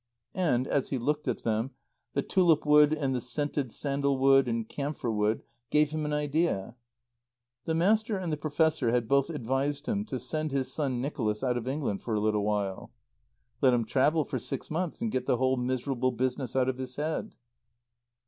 And, as he looked at them, the tulip wood and the scented sandalwood and camphor wood gave him an idea. The Master and the Professor had both advised him to send his son Nicholas out of England for a little while. "Let him travel for six months and get the whole miserable business out of his head."